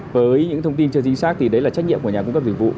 với những thông tin chưa chính xác thì đấy là trách nhiệm của nhà cung cấp dịch vụ